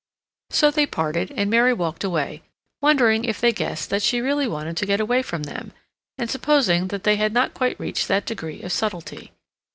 So they parted and Mary walked away, wondering if they guessed that she really wanted to get away from them, and supposing that they had not quite reached that degree of subtlety.